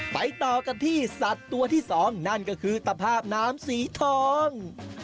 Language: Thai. ต่อกันที่สัตว์ตัวที่๒นั่นก็คือตภาพน้ำสีทอง